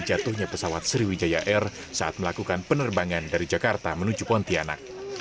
jatuhnya pesawat sriwijaya air saat melakukan penerbangan dari jakarta menuju pontianak